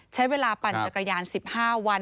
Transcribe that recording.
ใช้เวลาปั่นจักรยาน๑๕วัน